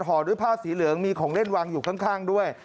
ห่อด้วยผ้าสีเหลืองมีของเล่นวางอยู่ข้างด้วย